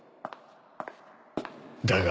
だが。